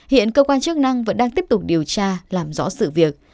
hiện cơ quan chức năng vẫn đang tiếp tục điều tra làm rõ sự việc